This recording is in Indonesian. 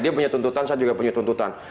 dia punya tuntutan saya juga punya tuntutan